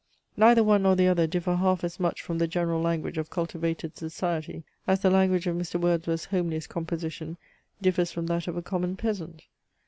Neither one nor the other differ half as much from the general language of cultivated society, as the language of Mr. Wordsworth's homeliest composition differs from that of a common peasant.